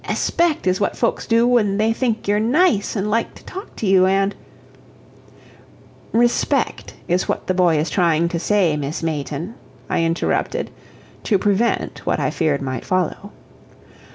Espect is what folks do when they think you're nice, and like to talk to you, and " "Respect is what the boy is trying to say, Miss Mayton," I interrupted, to prevent what I feared might follow.